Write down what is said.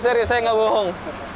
serius ya gak bohong